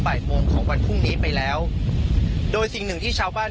โมงของวันพรุ่งนี้ไปแล้วโดยสิ่งหนึ่งที่ชาวบ้าน